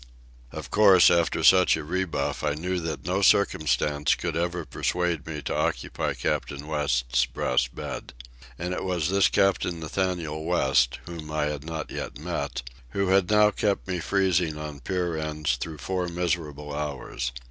Of course, after such a rebuff, I knew that no circumstance could ever persuade me to occupy Captain West's brass bed. And it was this Captain Nathaniel West, whom I had not yet met, who had now kept me freezing on pier ends through four miserable hours.